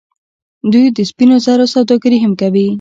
دوی د سپینو زرو سوداګري هم کوي.